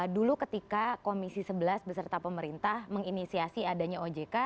dulu ketika komisi sebelas beserta pemerintah menginisiasi adanya ojk